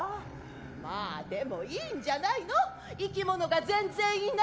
まあでもいいんじゃないのいきものが全然いないよりは。